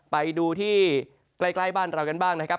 ไปดูที่ใกล้บ้านเรากันบ้างนะครับ